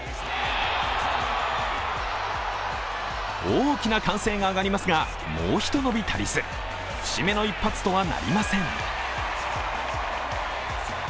大きな歓声が上がりますがもうひと伸び足りず節目の一発とはなりません。